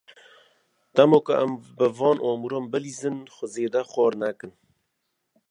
Dema ku em bi van amûran bilîzin, xwe zêde xwar nekin.